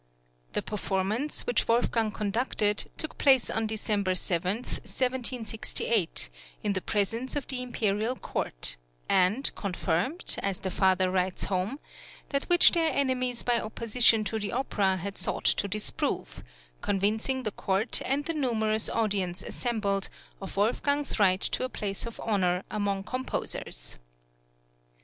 The performance, which Wolfgang conducted, took place on December 7, 1768, in the presence of the imperial court, and confirmed, as the father writes home, that which their enemies by opposition to the opera had sought to disprove; convincing the court and the numerous audience assembled, of Wolfgang's right to a place of honour among composers.